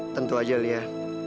tentu aja lia